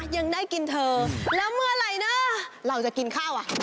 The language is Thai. ยังได้กินเธอแล้วเมื่อไหร่นะเราจะกินข้าวอ่ะ